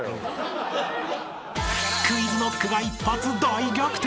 ［ＱｕｉｚＫｎｏｃｋが一発大逆転］